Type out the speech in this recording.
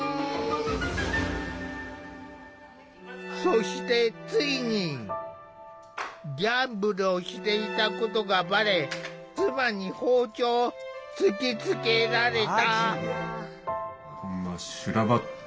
そしてついにギャンブルをしていたことがバレ妻に包丁を突きつけられた。